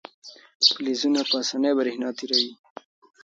فلزونه په اسانۍ برېښنا تیروي.